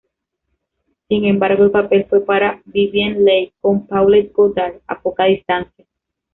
Sin embargo, el papel fue para Vivien Leigh, con Paulette Goddard a poca distancia.